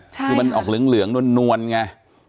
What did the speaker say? คือมันออกเหลืองนวลไง